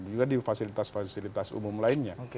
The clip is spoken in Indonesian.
juga di fasilitas fasilitas umum lainnya